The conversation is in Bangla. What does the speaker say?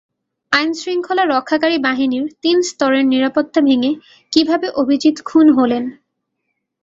আইনশৃঙ্খলা রক্ষাকারী বাহিনীর তিন স্তরের নিরাপত্তা ভেঙে কীভাবে অভিজিৎ খুন হলেন।